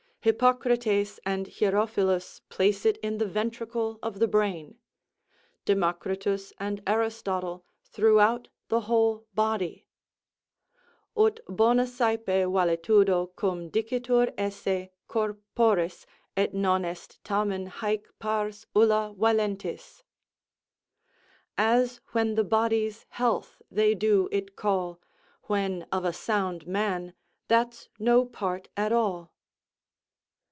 Hippocrates and Hierophilus place it in the ventricle of the brain; Democritus and Aristotle throughout the whole body; Ut bona sæpe valetudo cum dicitur esse Corporis, et non est tamen hæc pars ulla ralentis; "As when the body's health they do it call, When of a sound man, that's no part at all."